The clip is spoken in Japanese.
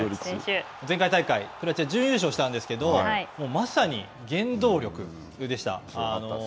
前回大会、準優勝したんですけど、まさに原動力でした。